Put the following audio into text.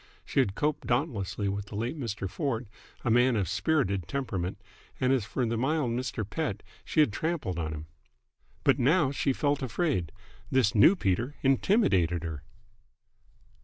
She had coped dauntlessly with the late Mr. Ford, a man of a spirited temperament; and as for the mild Mr. Pett she had trampled on him. But now she felt afraid. This new Peter intimidated her.